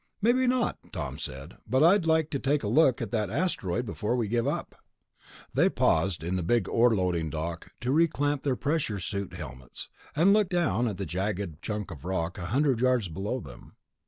"Maybe not," Tom said, "but I'd like to take a look at that asteroid before we give up." They paused in the big ore loading lock to reclamp their pressure suit helmets, and looked down at the jagged chunk of rock a hundred yards below them.